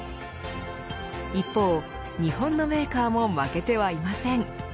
一方、日本のメーカーも負けてはいません。